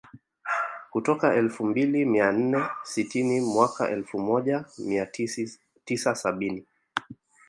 kutoka elfu mbili mia nne sitini mwaka elfu moja mia tisa sabini